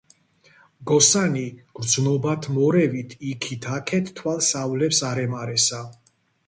მგოსანი გრძნობამორევით იქით აქეთ თვალს ავლებს არემარესა.